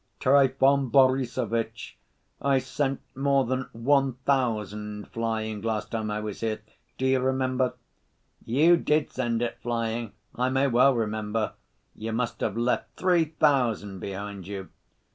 "Trifon Borissovitch, I sent more than one thousand flying last time I was here. Do you remember?" "You did send it flying. I may well remember. You must have left three thousand behind you."